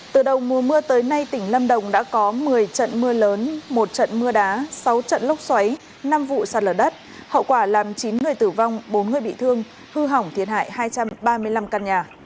từ đầu mùa mưa tới nay tỉnh lâm đồng đã có một mươi trận mưa lớn một trận mưa đá sáu trận lốc xoáy năm vụ sạt lở đất hậu quả làm chín người tử vong bốn người bị thương hư hỏng thiệt hại hai trăm ba mươi năm căn nhà